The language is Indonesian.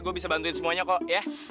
gue bisa bantuin semuanya kok ya